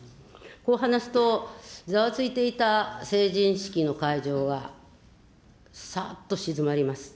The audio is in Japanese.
こう話すと、ざわついていた成人式の会場は、さーっと静まります。